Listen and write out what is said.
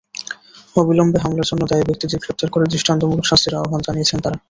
অবিলম্বে হামলার জন্য দায়ী ব্যক্তিদের গ্রেপ্তার করে দৃষ্টান্তমূলক শাস্তির আহ্বান জানিয়েছেন তাঁরা।